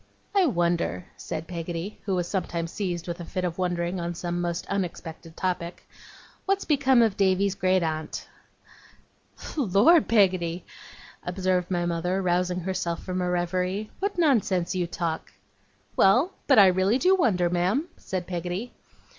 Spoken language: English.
'I wonder,' said Peggotty, who was sometimes seized with a fit of wondering on some most unexpected topic, 'what's become of Davy's great aunt?' 'Lor, Peggotty!' observed my mother, rousing herself from a reverie, 'what nonsense you talk!' 'Well, but I really do wonder, ma'am,' said Peggotty.